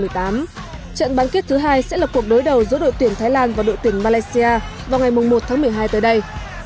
trận bán kết thứ hai sẽ là cuộc đối đầu giữa đội tuyển thái lan và đội tuyển malaysia vào ngày một tháng một mươi hai tới đây